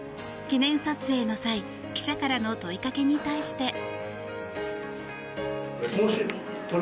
記念撮影の際記者からの問いかけに対して。